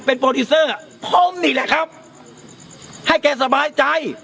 โปรดิวเซอร์ผมนี่แหละครับให้แกสบายใจ